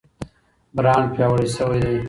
برانډ پیاوړی شوی دی.